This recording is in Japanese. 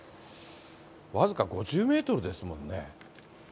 僅か５０メートルですもんね。